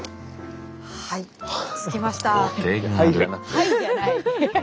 「はい」じゃなくて。